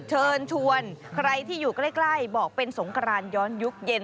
เชิญชวนใครที่อยู่ใกล้บอกเป็นสงกรานย้อนยุคเย็น